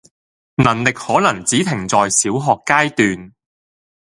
能力可能只停在小學階段